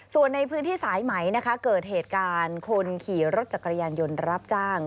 ส่วนในพื้นที่สายไหมนะคะเกิดเหตุการณ์คนขี่รถจักรยานยนต์รับจ้าง